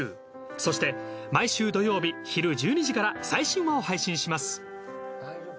そして毎週土曜日昼１２時から最新話を配信します。